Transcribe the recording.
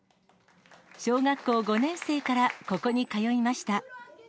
小学校５年生からここに通いました。